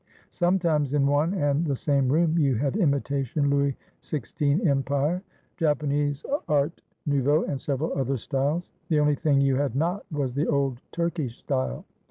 Sometimes in one and the same room you had imitation Louis XVI, Empire, Japanese, art nouveati, and several other styles. The only thing you had not was the old Turkish style.